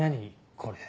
これ。